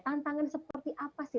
tantangan seperti apa sih